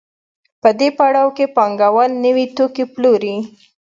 په دې پړاو کې پانګوال نوي توکي پلوري